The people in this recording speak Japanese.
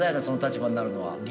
その立場になるのは。